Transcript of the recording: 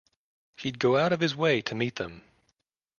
He'd go out of his way to meet them.